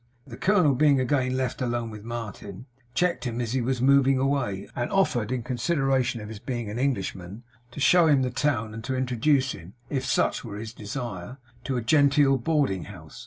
The colonel being again left alone with Martin, checked him as he was moving away, and offered in consideration of his being an Englishman, to show him the town and to introduce him, if such were his desire, to a genteel boarding house.